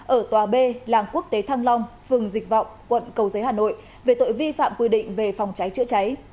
ở tòa b làng quốc tế thăng long phường dịch vọng quận cầu giấy hà nội về tội vi phạm quy định về phòng cháy chữa cháy